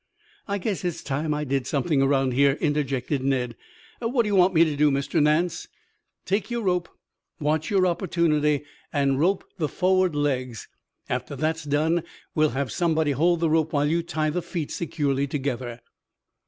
"I guess it's time I did something around here," interjected Ned. "What do you want me to do, Mr. Nance?" "Take your rope, watch your opportunity and rope the forward legs. After that is done have somebody hold the rope while you tie the feet securely together."